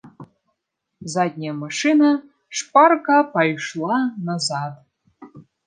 Задняя машына шпарка пайшла назад.